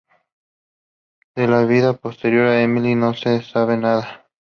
De la vida posterior de Emily no se sabe nada.